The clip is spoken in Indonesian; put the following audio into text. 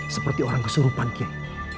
seperti orang kesurupan gey